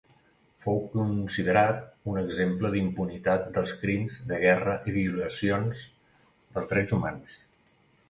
Fou considerat un exemple d'impunitat dels crims de guerra i violacions dels drets humans.